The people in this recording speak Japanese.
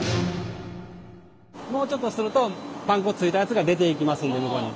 もうちょっとするとパン粉ついたやつが出ていきますんで向こうに。